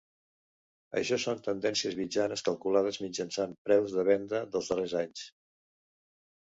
Això són tendències mitjanes calculades mitjançant preus de venda dels darrers anys.